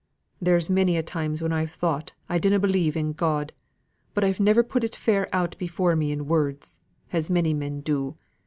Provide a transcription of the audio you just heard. There's many a time when I've thought I didna believe in God, but I've never put it fair out before me in words, as many men do.